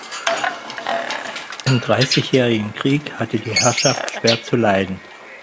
Im Dreißigjährigen Krieg hatte die Herrschaft schwer zu leiden.